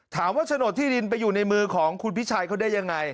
โฉนดที่ดินไปอยู่ในมือของคุณพิชัยเขาได้ยังไง